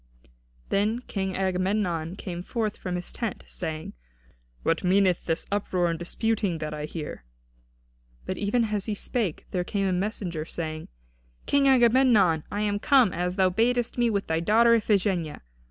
Then King Agamemnon came forth from his tent, saying: "What meaneth this uproar and disputing that I hear?" But even as he spake there came a messenger, saying: "King Agamemnon, I am come, as thou badest me, with thy daughter Iphigenia.